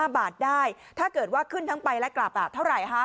๕บาทได้ถ้าเกิดว่าขึ้นทั้งไปและกลับเท่าไหร่